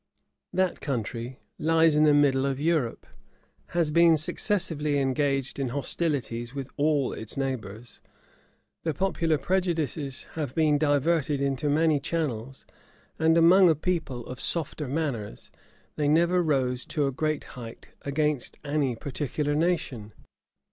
That country lies in the middle of Europe, has been successively engaged in hostilities with all its neighbors, the popular prejudices have been diverted into many channels, and, among a people of softer manners, they never rose to a great height against any particular nation.